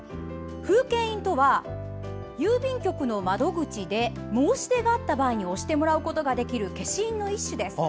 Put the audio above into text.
風景印とは、郵便局の窓口で申し出があった場合に押してもらうことができる消印の一種です。